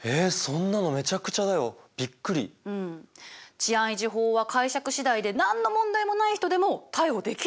治安維持法は解釈次第で何の問題もない人でも逮捕できるようになっていくの。